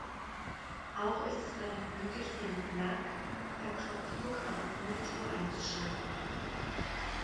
Auch ist es damit möglich, den Mac per Knopfdruck am Monitor einzuschalten.